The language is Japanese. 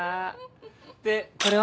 でこれは？